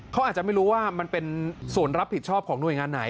เขาอาจจะไม่รู้ว่ามันเป็นส่วนรับผิดชอบของหน่วยงานไหน